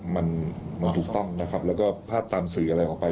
มันถูกต้องและกว่าภาพสัมสืออะไรออกไป